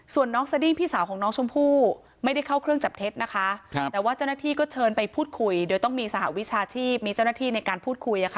ส่วนน้องสดิ้งพี่สาวของน้องชมพู่ไม่ได้เข้าเครื่องจับเท็จนะคะแต่ว่าเจ้าหน้าที่ก็เชิญไปพูดคุยโดยต้องมีสหวิชาชีพมีเจ้าหน้าที่ในการพูดคุย